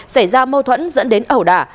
xảy ra mâu thuẫn dẫn đến ẩu đả